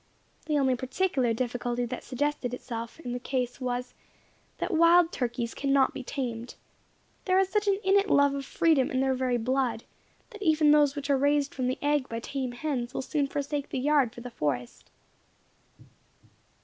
The only particular difficulty that suggested itself in the case was, that wild turkeys cannot be tamed. There is such an innate love of freedom in their very blood, that even those which are raised from the egg by tame hens will soon forsake the yard for the forest.